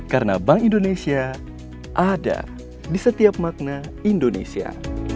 karena bank indonesia ada di setiap makna indonesia